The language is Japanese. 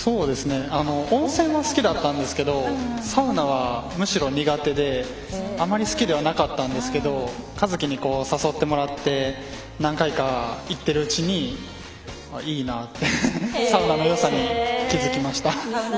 温泉は好きだったんですけどサウナはむしろ苦手であまり好きではなかったんですけど一希に誘ってもらって何回か行ってるうちにいいなってサウナのよさに気付きました。